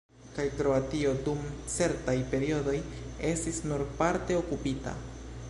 Kaj Kroatio dum certaj periodoj estis nur parte okupita.